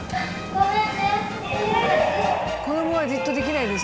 子どもはじっとできないですからね。